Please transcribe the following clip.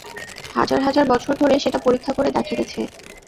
হাজার হাজার বছর ধরে সেটা পরীক্ষা করে দেখা গেছে।